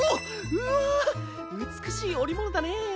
うわ美しい織物だね。